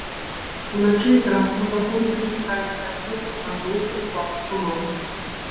Уначы і зранку ў заходніх і цэнтральных раёнах прагназуецца слабы туман.